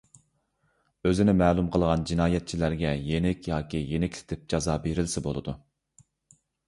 ئۆزىنى مەلۇم قىلغان جىنايەتچىلەرگە يېنىك ياكى يېنىكلىتىپ جازا بېرىلسە بولىدۇ.